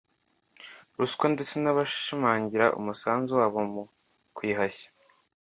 Ruswa ndetse banashimangira umusanzu wabo mu kuyihashya